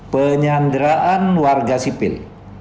penyanderaan warga sipil